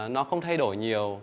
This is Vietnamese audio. nó không thay đổi nhiều